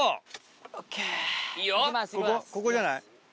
ここじゃない？